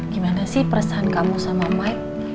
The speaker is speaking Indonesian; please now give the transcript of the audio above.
gimana sih perasaan kamu sama mike